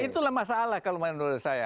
itulah masalah kalau menurut saya